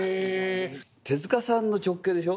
手さんの直系でしょ。